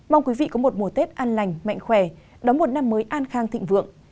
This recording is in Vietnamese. mong quý vị có một mùa tết an lành mạnh khỏe đóng một năm mới an khang thịnh vượng